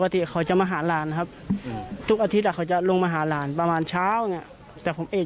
ปกติเขาจะมาหาหลานครับทุกอาทิตย์เขาจะลงมาหาหลานประมาณเช้าเนี่ยแต่ผมเอก